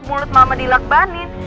mulut mama dilakbanin